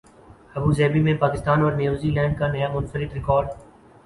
Abu Dhabi میں پاکستان اور New Zealand کا نیا منفرد ریکارڈ